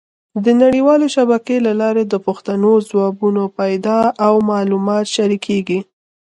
د نړیوالې شبکې له لارې د پوښتنو ځوابونه پیدا او معلومات شریکېږي.